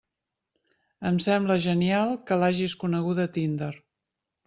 Em sembla genial que l'hagis coneguda a Tinder!